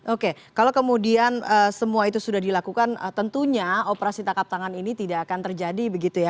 oke kalau kemudian semua itu sudah dilakukan tentunya operasi tangkap tangan ini tidak akan terjadi begitu ya